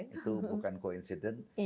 itu bukan coincident